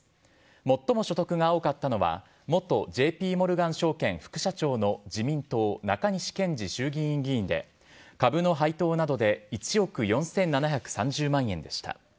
最も所得が多かったのは、元ＪＰモルガン証券副社長の自民党、中西健治衆議院議員で、株の配当などで１億４７３０万円でした。